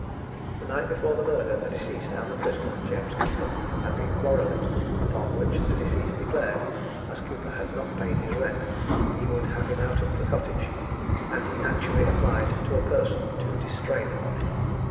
The night before the murder the deceased and the prisoner, James Cooper, had been quarrelling; upon which the deceased declared, as Cooper had not paid his rent, he would have him out of the cottage; and he actually applied to a person to distrain upon him.